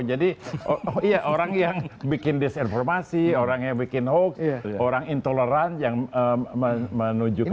jadi orang yang bikin disinformasi orang yang bikin hoax orang intoleransi yang menuju kepada